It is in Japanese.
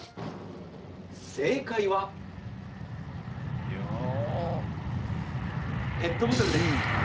正解はペットボトルです。